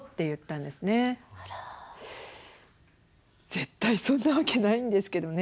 絶対そんなわけないんですけどね。